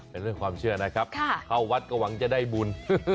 เป็นเรื่องความเชื่อนะครับเข้าวัดก็หวังจะได้บุญ